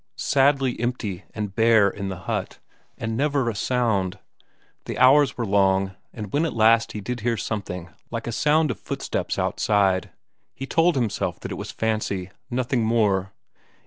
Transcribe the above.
Sadly empty and bare in the hut, and never a sound; the hours were long, and when at last he did hear something like a sound of footsteps outside, he told himself that it was fancy, nothing more.